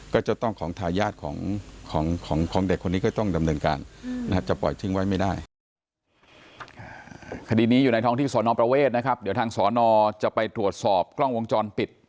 ก็จะต้องของทายาทของเด็กคนนี้ก็ต้องดำเนินการนะครับ